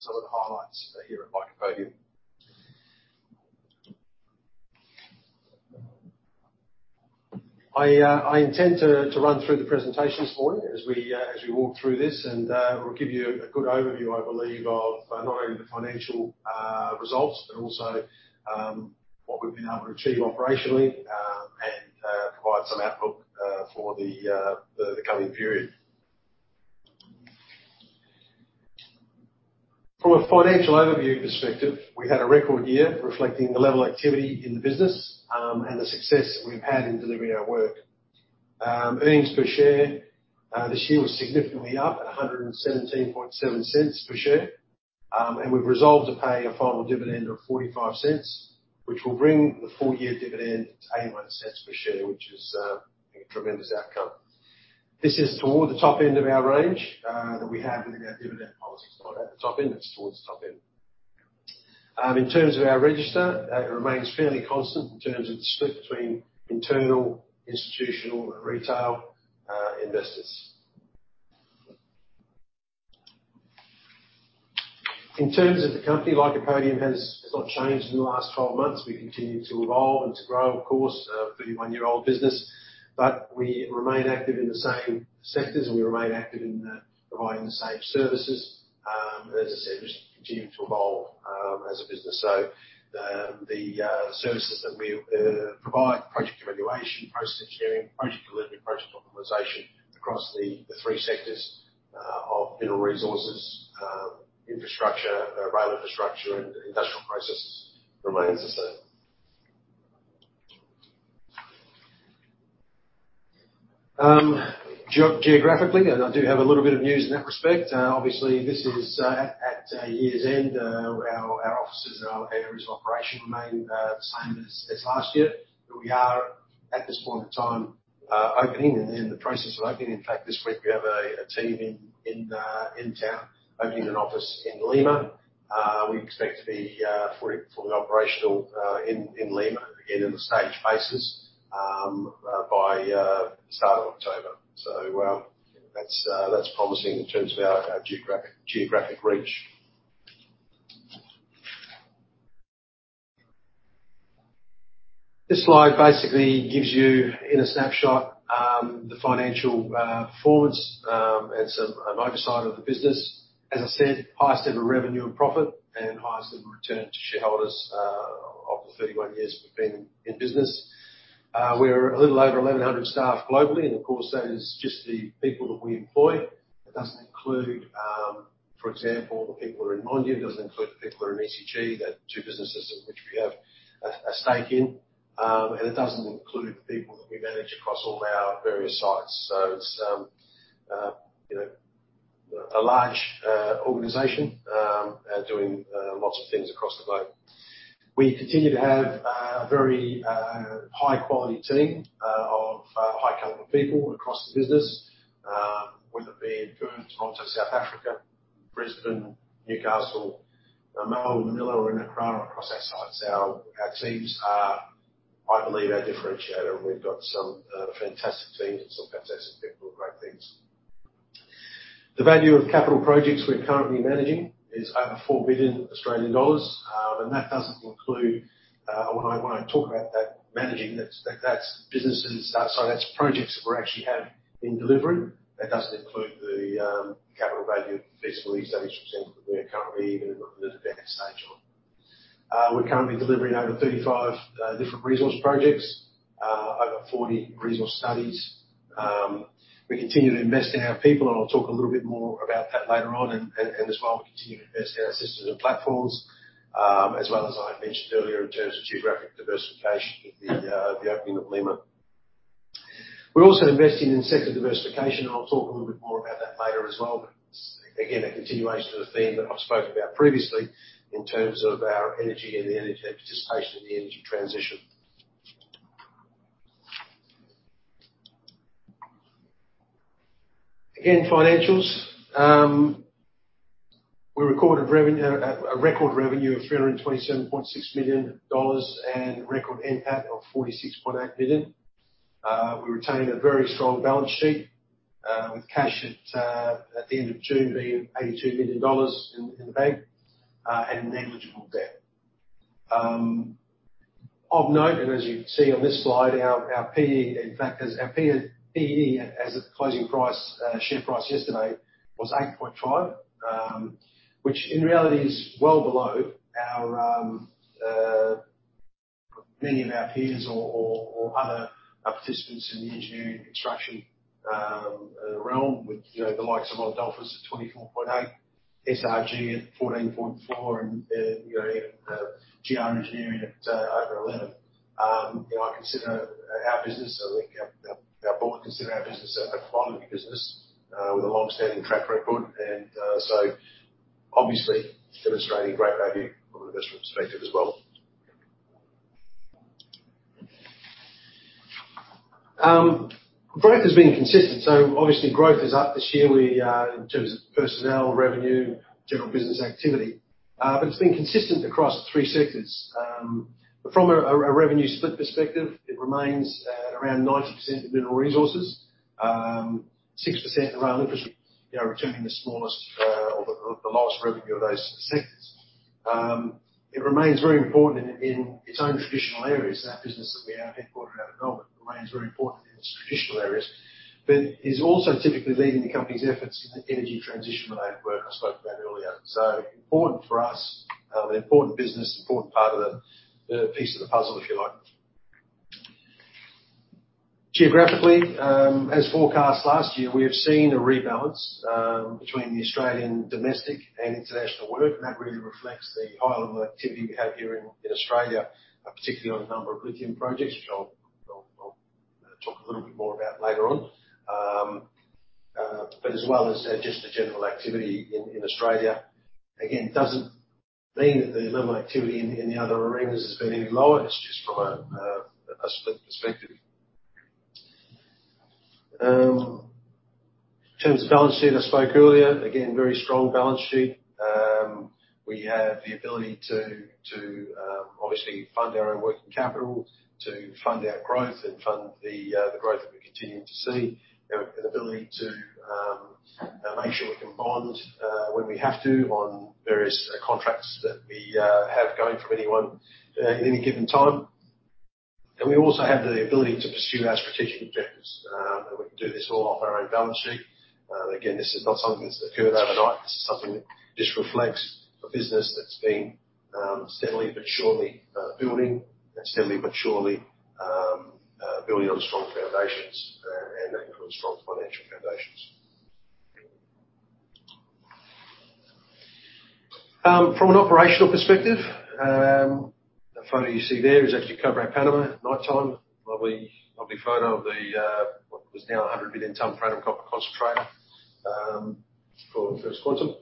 some of the highlights, here at Lycopodium. I intend to run through the presentation this morning as we walk through this, we'll give you a good overview, I believe, of not only the financial results, but also what we've been able to achieve operationally, and provide some outlook for the coming period. From a financial overview perspective, we had a record year reflecting the level of activity in the business, and the success that we've had in delivering our work. Earnings per share this year was significantly up at 1.177 per share. We've resolved to pay a final dividend of 0.45, which will bring the full year dividend to 0.81 per share, which is a tremendous outcome. This is toward the top end of our range that we have within our dividend policy. It's not at the top end, it's towards the top end. In terms of our register, it remains fairly constant in terms of the split between internal, institutional, and retail investors. In terms of the company, Lycopodium has, has not changed in the last 12 months. We continue to evolve and to grow, of course, a 31-year-old business, but we remain active in the same sectors, and we remain active in providing the same services. As I said, we just continue to evolve as a business. The services that we provide, project evaluation, process engineering, project delivery, project optimization across the three sectors of mineral resources, infrastructure, rail infrastructure, and industrial processes remains the same. geo- geographically, and I do have a little bit of news in that respect. obviously, this is, at, at, year's end, our, our offices and our areas of operation remain, the same as, as last year. We are, at this point in time, opening and in the process of opening. In fact, this week we have a, a team in, in, in town, opening an office in Lima. We expect to be, fully, fully operational, in, in Lima, again, in a staged basis, by, the start of October. That's, that's promising in terms of our, our geographic, geographic reach. This slide basically gives you, in a snapshot, the financial, performance, and some, oversight of the business. As I said, highest ever revenue and profit, highest ever return to shareholders, of the 31 years we've been in business. We're a little over 1,100 staff globally, of course, that is just the people that we employ. It doesn't include, for example, the people who are in Mondium, it doesn't include the people who are in ECG. That's two businesses in which we have a stake in. It doesn't include the people that we manage across all our various sites. It's, you know, a large organization, doing lots of things across the globe. We continue to have a very high quality team of high caliber people across the business, whether it be in Perth, Montreal, South Africa, Brisbane, Newcastle, Manila, Manila, or in Accra, across our sites. Our, our teams are, I believe, our differentiator, and we've got some fantastic teams and some fantastic people with great things. The value of capital projects we're currently managing is over 4 billion Australian dollars. That doesn't include... When I, when I talk about that managing, that's, that, that's businesses, sorry, that's projects that we actually have been delivering. That doesn't include the capital value of feasibility studies, for example, that we are currently even at a better stage on. We're currently delivering over 35 different resource projects, over 40 resource studies. We continue to invest in our people. I'll talk a little bit more about that later on. As well, we continue to invest in our systems and platforms, as well as I mentioned earlier, in terms of geographic diversification with the opening of Lima. We're also investing in sector diversification, and I'll talk a little bit more about that later as well, but again, a continuation of a theme that I've spoken about previously in terms of our energy and the energy, participation in the energy transition. Again, financials. We recorded revenue, a record revenue of 327.6 million dollars and record NPAT of 46.8 million. We retained a very strong balance sheet, with cash at the end of June, being 82 million dollars in the bank, and negligible debt. Of note, as you can see on this slide, our PE, in fact, as our PE, as of closing price, share price yesterday was 8.5, which in reality is well below our many of our peers or other participants in the engineering and construction realm with the likes of Monadelphous at 24.8, SRG at 14.4, and even GR Engineering at over 11. I consider our business, I think our board consider our business a high-quality business with a long-standing track record. Obviously demonstrating great value from an investment perspective as well. Growth has been consistent, so obviously growth is up this year. We, in terms of personnel, revenue, general business activity. It's been consistent across the 3 sectors. From a revenue split perspective, it remains at around 90% of mineral resources, 6% in rail industry. They are returning the smallest, or the lowest revenue of those sectors. It remains very important in its own traditional areas. That business that we have headquartered out of Melbourne remains very important in its traditional areas, but is also typically leading the company's efforts in the energy transition related work I spoke about earlier. Important for us, an important business, important part of the piece of the puzzle, if you like. Geographically, as forecast last year, we have seen a rebalance between the Australian domestic and international work. That really reflects the high level of activity we have here in Australia, particularly on a number of lithium projects, which I'll, I'll, I'll talk a little bit more about later on. As well as just the general activity in Australia, again, doesn't mean that the level of activity in the other arenas has been any lower. It's just from a split perspective. In terms of balance sheet, I spoke earlier. Again, very strong balance sheet. We have the ability to, to, obviously fund our own working capital, to fund our growth and fund the growth that we're continuing to see. You know, an ability to, make sure we can bond, when we have to on various, contracts that we, have going from anyone, at any given time. We also have the ability to pursue our strategic objectives. We can do this all off our own balance sheet. Again, this is not something that's occurred overnight. This is something that just reflects a business that's been, steadily but surely, building and steadily but surely, building on strong foundations. That includes strong financial foundations. From an operational perspective, the photo you see there is actually Cobre Panama, nighttime. Lovely, lovely photo of the, what was now a 100 million ton per annum copper concentrate, for First Quantum.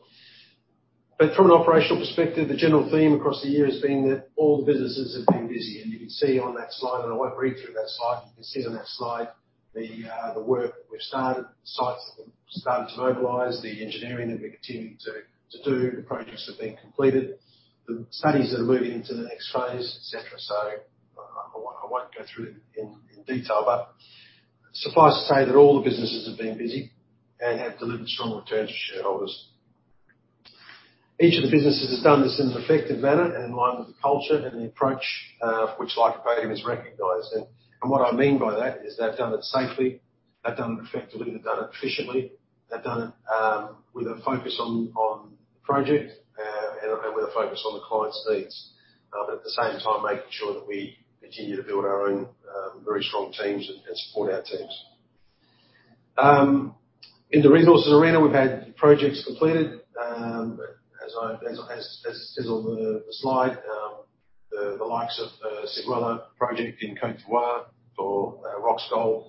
From an operational perspective, the general theme across the year has been that all the businesses have been busy, and you can see on that slide, and I won't read through that slide. You can see on that slide the, the work that we've started, the sites that we've started to mobilize, the engineering that we're continuing to, to do, the projects that have been completed, the studies that are moving into the next phase, et cetera. I, I won't, I won't go through it in, in detail, but suffice to say that all the businesses have been busy and have delivered strong returns to shareholders. Each of the businesses has done this in an effective manner and in line with the culture and the approach, of which Lycopodium is recognized. What I mean by that is they've done it safely, they've done it effectively, they've done it efficiently, they've done it, with a focus on, on the project, and, and with a focus on the client's needs. But at the same time, making sure that we continue to build our own, very strong teams and, and support our teams. In the resources arena, we've had projects completed, as on the, the slide, the, the likes of, Séguéla project in Cote d'Ivoire for, Roxgold,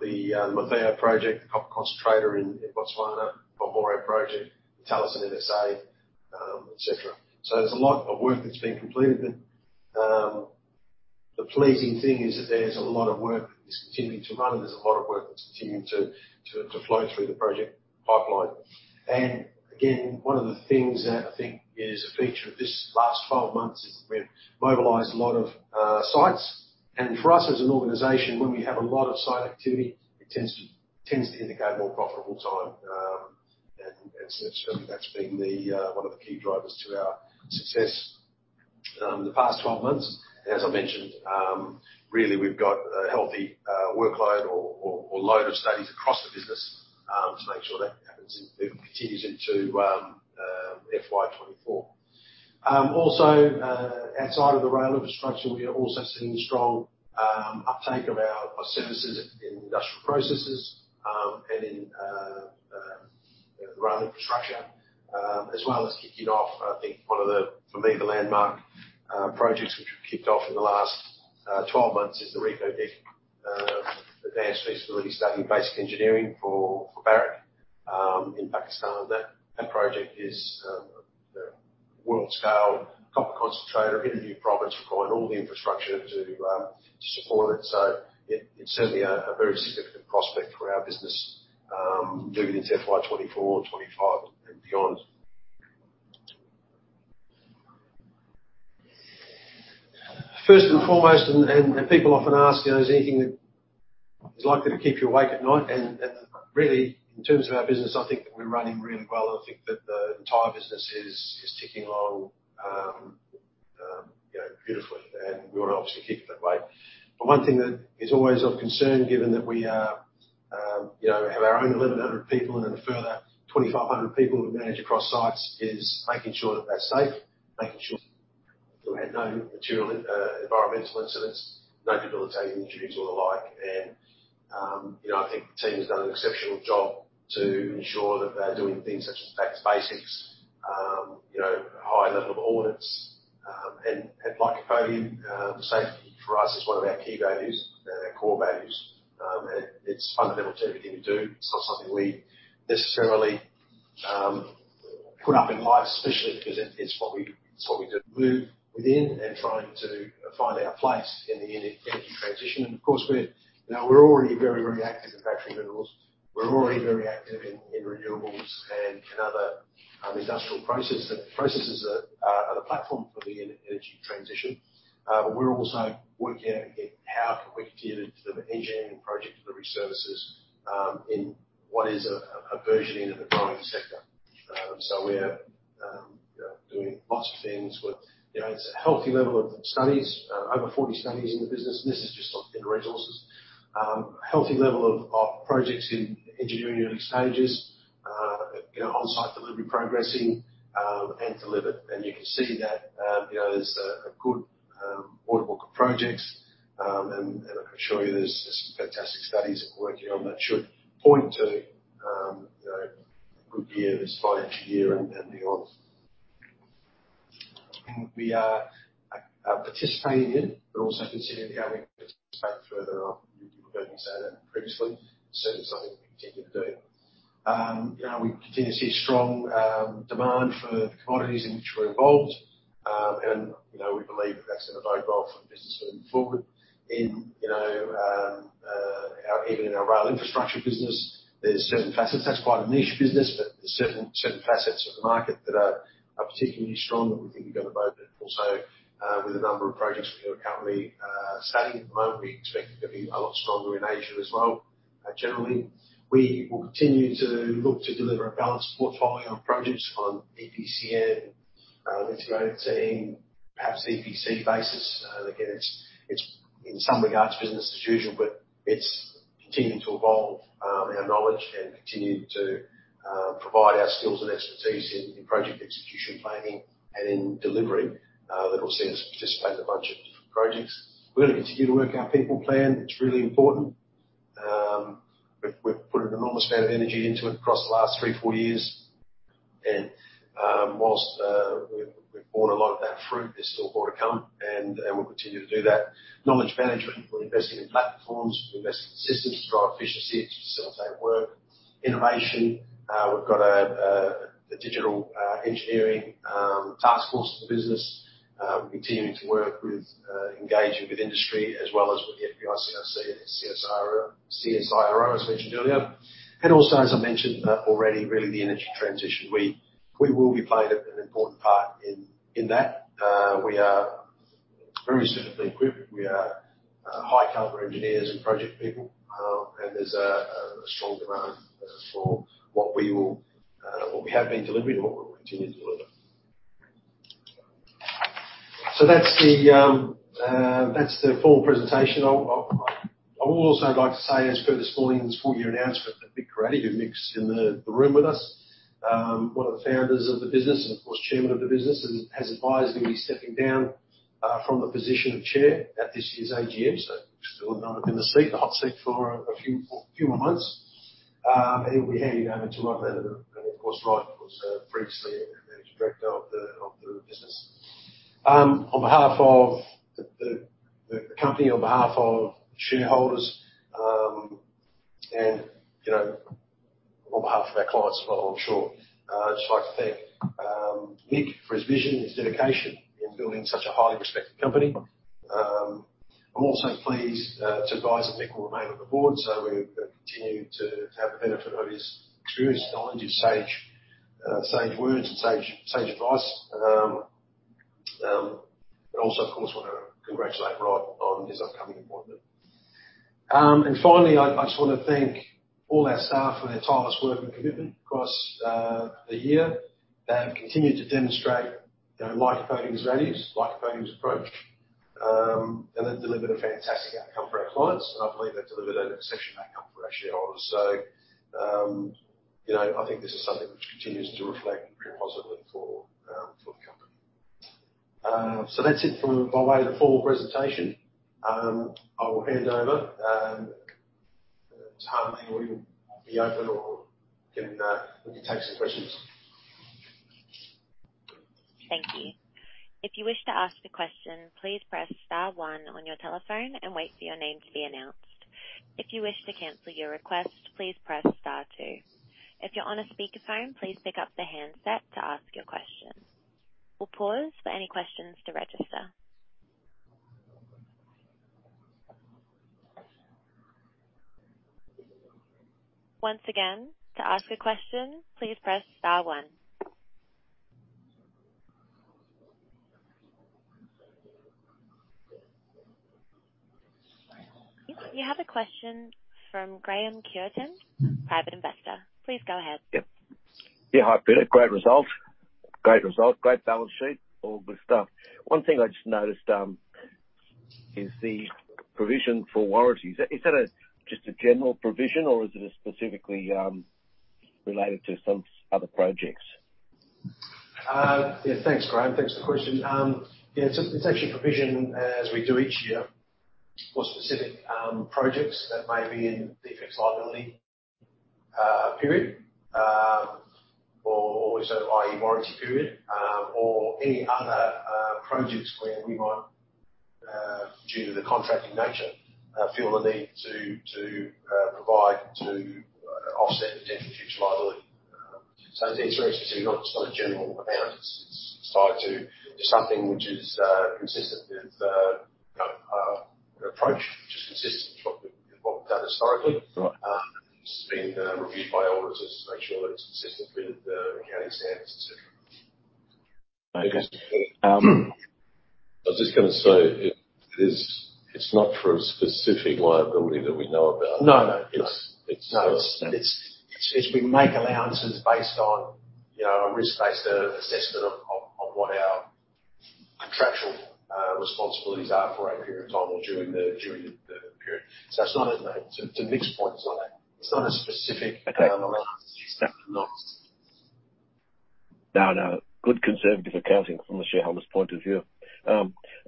the, Motheo project, the copper concentrator in, in Botswana, Bomboré project, Talison Lithium, et cetera. There's a lot of work that's been completed but, the pleasing thing is that there's a lot of work that's continuing to run and there's a lot of work that's continuing to flow through the project pipeline. Again, one of the things that I think is a feature of this last 12 months is we've mobilized a lot of sites, and for us, as an organization, when we have a lot of site activity, it tends to indicate more profitable time. And so that's been the one of the key drivers to our success, the past 12 months. As I mentioned, really, we've got a healthy workload or load of studies across the business to make sure that happens and it continues into FY24. Also, outside of the rail infrastructure, we are also seeing strong uptake of our, our services in industrial processes, and in rail infrastructure, as well as kicking off, I think, one of the, for me, the landmark projects which we've kicked off in the last 12 months is the Reko Diq advanced feasibility study, basic engineering for Barrick in Pakistan. That, that project is a world-scale copper concentrator in a new province, requiring all the infrastructure to support it. It, it's certainly a very significant prospect for our business during this FY24-25 and beyond. First and foremost, and, and, and people often ask, you know, "Is there anything that is likely to keep you awake at night?" Really, in terms of our business, I think that we're running really well. I think that the entire business is, is ticking along, you know, beautifully, and we want to obviously keep it that way. One thing that is always of concern, given that we are, you know, have our own 1,100 people and then a further 2,500 people we manage across sites, is making sure that they're safe, making sure we had no material, environmental incidents, no debilitating injuries or the like. You know, I think the team has done an exceptional job to ensure that they're doing things such as back to basics, you know, high level of audits. Lycopodium, safety for us is one of our key values, our core values. And it's fundamental to everything we do. It's not something we necessarily put up in lights, especially because it, it's what we-... That's what we do. Move within and trying to find our place in the energy transition. Of course, we're, you know, we're already very, very active in battery minerals. We're already very active in, in renewables and in other industrial processes that are, are the platform for the energy transition. We're also working out how can we get into the engineering and project delivery services in what is a, a burgeoning and a growing sector. We're, you know, doing lots of things with, you know, it's a healthy level of studies, over 40 studies in the business, and this is just on in resources. Healthy level of, of projects in engineering early stages, you know, on-site delivery progressing, and delivered. You can see that, you know, there's a, a good order book of projects. I can assure you there's, there's some fantastic studies that we're working on that should point to, you know, a good year this financial year and, and beyond. We are participating in, but also considering how we participate further on. You've heard me say that previously. Certainly something we continue to do. You know, we continue to see strong demand for the commodities in which we're involved. You know, we believe that's going to play a role for the business moving forward. In, you know, even in our rail infrastructure business, there's certain facets. That's quite a niche business, but there's certain, certain facets of the market that are, are particularly strong, that we think are going to bode, and also, with a number of projects we are currently studying at the moment, we expect it to be a lot stronger in Asia as well. Generally, we will continue to look to deliver a balanced portfolio of projects on EPCM, integrated team, perhaps EPC basis. Again, it's, it's in some regards business as usual, but it's continuing to evolve, our knowledge and continue to provide our skills and expertise in, in project execution planning and in delivery, that will see us participate in a bunch of different projects. We're gonna continue to work our people plan. It's really important. We've, we've put an enormous amount of energy into it across the last three, four years, and, whilst, we've, we've borne a lot of that fruit, there's still more to come, and, and we'll continue to do that. Knowledge management, we're investing in platforms, we're investing in systems to drive efficiency, to facilitate work. Innovation, we've got a, a, a digital, engineering, task force in the business. We're continuing to work with, engaging with industry as well as with the FBICRC, CSIRO, CSIRO, as mentioned earlier. As I mentioned, already, really the energy transition. We will be playing an important part in that. We are very specifically equipped. We are high caliber engineers and project people, and there's a strong demand for what we have been delivering and what we'll continue to deliver. That's the full presentation. I would also like to say, as per this morning's full year announcement, that Michael Caratti, who mix in the room with us, one of the founders of the business and of course, chairman of the business, and has advised he'll be stepping down from the position of chair at this year's AGM. He'll still be in the seat, the hot seat, for a few, few more months. He'll be handing over to Rod, and of course, Rod was previously managing director of the, of the business. On behalf of the, the, the company, on behalf of shareholders, and, you know, on behalf of our clients as well, I'm sure, I'd just like to thank Mick for his vision, his dedication in building such a highly respected company. I'm also pleased to advise that Mick will remain on the board, so we'll continue to, to have the benefit of his experience, knowledge, his sage, sage words, and sage, sage advice. Also, of course, want to congratulate Rod on his upcoming appointment. Finally, I'd, I just want to thank all our staff for their tireless work and commitment across the year. They have continued to demonstrate their lycopodium's values, life coatings approach, and they've delivered a fantastic outcome for our clients, and I believe they've delivered an exceptional outcome for our shareholders. You know, I think this is something which continues to reflect very positively for the company. That's it from, by way of the full presentation. I will hand over to Harmony, where you'll be open, or can, we can take some questions. Thank you. If you wish to ask a question, please press star one on your telephone and wait for your name to be announced. If you wish to cancel your request, please press star two. If you're on a speakerphone, please pick up the handset to ask your question. We'll pause for any questions to register. Once again, to ask a question, please press star one. We have a question from Graham Cureton, private investor. Please go ahead. Yep. Yeah, hi, Peter. Great result. Great result, great balance sheet, all good stuff. One thing I just noticed, is the provision for warranties. Is that a, just a general provision, or is it specifically, related to some other projects? Yeah, thanks, Graham. Thanks for the question. Yeah, it's, it's actually a provision, as we do each year, for specific projects that may be in defects liability period, or also by warranty period, or any other projects where we, due to the contracting nature, feel the need to provide to offset the potential future liability. It's very specific, not, it's not a general amount. It's, it's tied to something which is consistent with our approach, which is consistent with what we've, what we've done historically. Right. It's been reviewed by our auditors to make sure that it's consistent with accounting standards, et cetera. Okay. I was just gonna say, it is, it's not for a specific liability that we know about? No, no. No, it's, we make allowances based on, you know, a risk-based assessment of what our contractual responsibilities are for a period of time or during the period. So it's not a. To Nick's point, it's not a specific. Okay. Allowance. It's definitely not. No, no. Good conservative accounting from the shareholder's point of view. I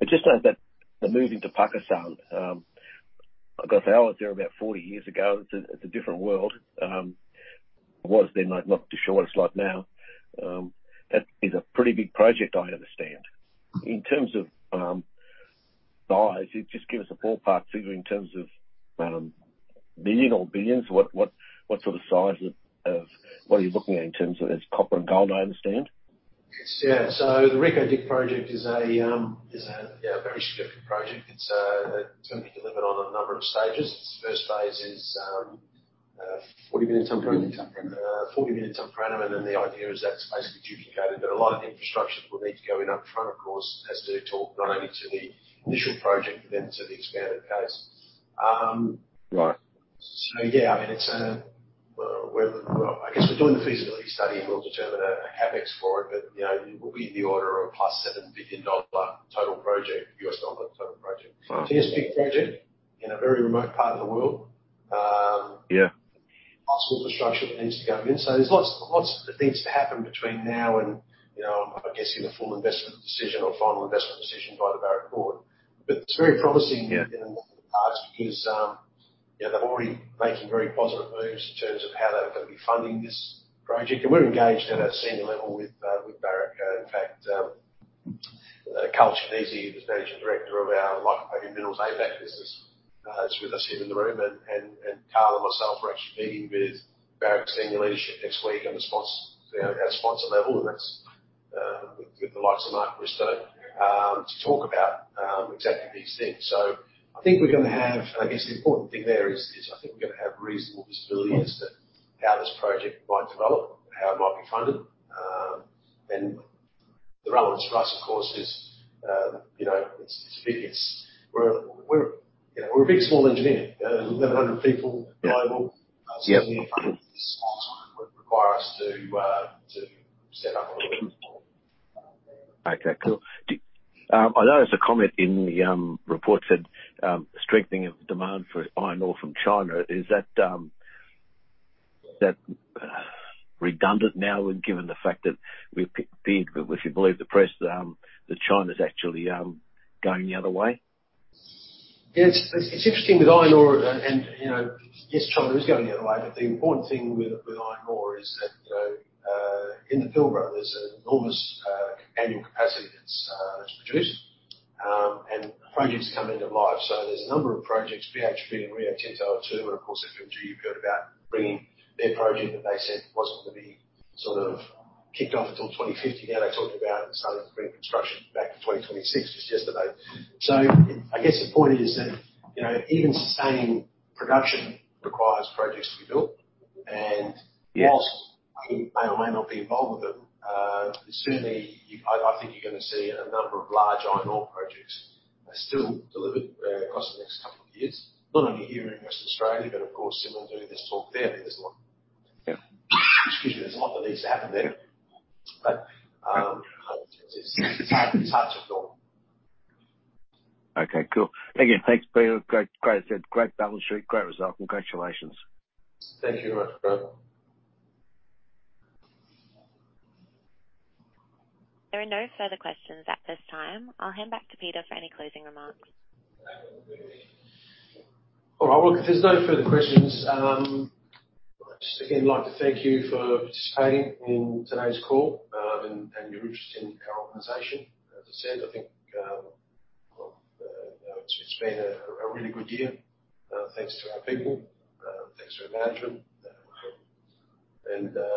just note that the move into Pakistan, I've got to say I was there about 40 years ago. It's a, it's a different world. It was then like, not too sure what it's like now. That is a pretty big project, I understand. In terms of size, could you just give us a ballpark figure in terms of billion or billions? What, what, what sort of size of, of... What are you looking at in terms of, it's copper and gold, I understand? Yeah. The Reko Diq project is a, yeah, a very significant project. It's, it's gonna be delivered on a number of stages. Its first phase is 40 million ton per annum. 40 million ton per annum. 40 million ton per annum, and then the idea is that's basically duplicated, but a lot of the infrastructure will need to go in up front, of course, as to talk not only to the initial project, but then to the expanded case. Right. Yeah, I mean, it's, well, well, I guess we're doing the feasibility study, and we'll determine a CapEx for it, but, you know, it will be in the order of a plus $7 billion total project, US dollar total project. Right. It's a big project in a very remote part of the world. Yeah. Massive infrastructure that needs to go in. There's lots and lots of things to happen between now and, you know, I guess, in the full investment decision or final investment decision by the Barrick board. It's very promising. Yeah in, in the past because, you know, they're already making very positive moves in terms of how they're gonna be funding this project. We're engaged at a senior level with Barrick. In fact, Karl Cicanese, the Managing Director of our Lycopodium Minerals APAC business, is with us here in the room, and Karl and myself are actually meeting with Barrick's senior leadership next week on the sponsor, at sponsor level, and that's with the likes of Mark Bristow to talk about exactly these things. I guess the important thing there is, is I think we're gonna have reasonable visibility as to how this project might develop, how it might be funded. The relevance for us, of course, is, you know, it's, it's big. It's... We're, you know, we're a big, small engineering. We've got 100 people global. Yeah. This would require us to step up a little bit. Okay, cool. I know there's a comment in the report said, "Strengthening of demand for iron ore from China." Is that that redundant now, given the fact that we've If you believe the press, that China's actually going the other way? Yeah, it's, it's interesting with iron ore, and, you know, yes, China is going the other way, but the important thing with, with iron ore is that, you know, in the Pilbara, there's an enormous annual capacity that's that's produced, and projects are coming to life. There's a number of projects, BHP and Rio Tinto are two, and of course, FMG, you've heard about bringing their project that they said wasn't gonna be sort of kicked off until 2050. They're talking about starting pre-construction back in 2026, just yesterday. I guess the point is that, you know, even sustaining production requires projects to be built. Yes. whilst we may or may not be involved with them, certainly you, I, I think you're gonna see a number of large iron ore projects are still delivered, across the next couple of years, not only here in West Australia, but of course, similarly, there's talk there, there's a lot. Yeah. Excuse me. There's a lot that needs to happen there, but, it's hard to know. Okay, cool. Thank you. Thanks, Peter. Great, great said. Great balance sheet. Great result. Congratulations. Thank you very much, Graham. There are no further questions at this time. I'll hand back to Peter for any closing remarks. All right. Well, if there's no further questions, I'd just again like to thank you for participating in today's call, and your interest in our organization. As I said, I think, you know, it's been a really good year, thanks to our people, thanks to our management, and.